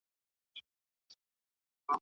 ډاکټر وویل چې رواني فشارونه انسان ناروغ کوي.